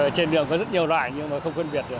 trên đường có rất nhiều loại nhưng mà không phân biệt được